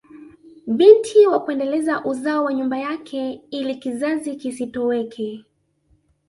Binti wa kuendeleza uzao wa nyumba yake ili kizazi kisitoweke